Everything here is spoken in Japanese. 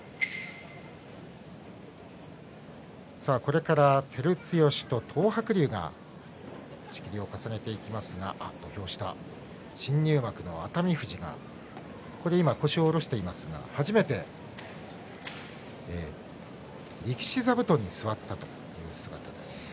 さあこれから照強と東白龍が仕切りを重ねていきますが土俵下、新入幕の熱海富士が今、腰を下ろしていますが初めて力士座布団に座ったという姿です。